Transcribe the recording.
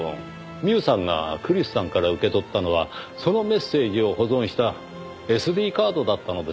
ミウさんがクリスさんから受け取ったのはそのメッセージを保存したＳＤカードだったのですね。